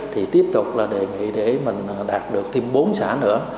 thì tiếp tục là đề nghị để mình đạt được thêm bốn xã nữa